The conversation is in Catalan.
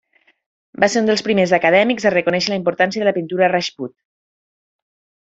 Va ser un dels primers acadèmics a reconèixer la importància de la pintura Rajput.